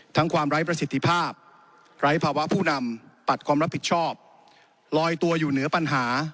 ความไร้ประสิทธิภาพไร้ภาวะผู้นำปัดความรับผิดชอบลอยตัวอยู่เหนือปัญหา